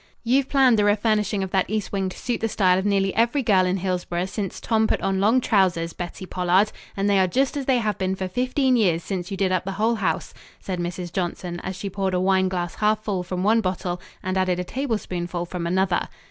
"You've planned the refurnishing of that east wing to suit the style of nearly every girl in Hillsboro since Tom put on long trousers, Bettie Pollard, and they are just as they have been for fifteen years since you did up the whole house," said Mrs. Johnson as she poured a wine glass half full from one bottle and added a tablespoonful from another.